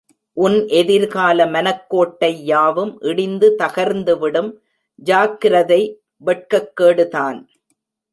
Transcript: உன் எதிர்கால மனக்கோட்டை யாவும் இடிந்து தகர்ந்துவிடும், ஜாக்கிரதை வெட்கக்கேடுதான்.